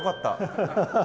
ハハハハ。